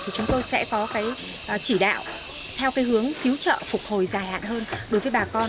thì chúng tôi sẽ có cái chỉ đạo theo cái hướng cứu trợ phục hồi dài hạn hơn đối với bà con